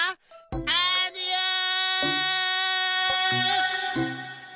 アディオス！